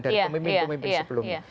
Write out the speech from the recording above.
dan pemimpin pemimpin sebelumnya